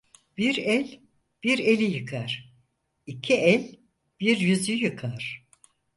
Bir el bir eli yıkar, iki el bir yüzü yıkar.